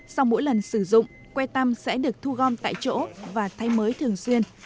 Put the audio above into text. sau mỗi lần sử dụng que tăm sẽ được thu gom tại chỗ và thay mới thường xuyên